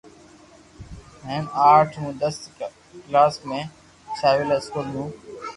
ھين آٺ مون دس ڪلاس ۾ ݾاوليلا اسڪول مون